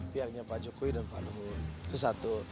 pihaknya pak jokowi dan pak luhut itu satu